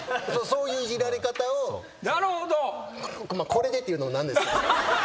これでっていうのも何ですけど。